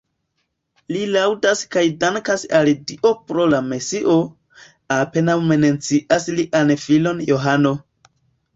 Li laŭdas kaj dankas al Dio pro la Mesio, apenaŭ mencias lian filon Johano.